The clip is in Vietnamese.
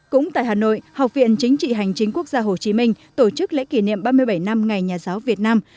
cũng tại hà nội học viện chính trị hành chính quốc gia hồ chí minh tổ chức lễ kỷ niệm ba mươi bảy năm ngày nhà giáo việt nam